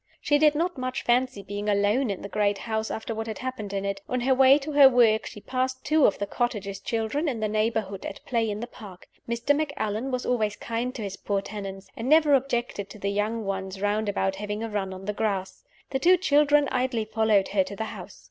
She did not much fancy being alone in the great house, after what had happened in it. On her way to her work she passed two of the cottagers' children in the neighborhood at play in the park. Mr. Macallan was always kind to his poor tenants, and never objected to the young ones round about having a run on the grass. The two children idly followed her to the house.